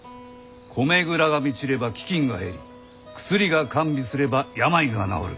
「米蔵が満ちれば飢きんが減り薬が完備すれば病が治る。